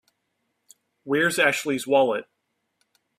Where's Ashley's wallet?